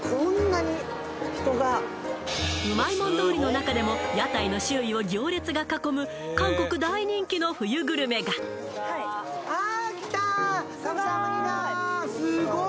うまいもん通りの中でも屋台の周囲を行列が囲む韓国大人気の冬グルメがああ来たカムサハムニダ！